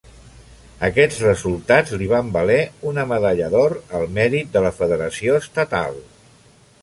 Aquests resultats li van valer una Medalla d'Or al mèrit de la federació estatal.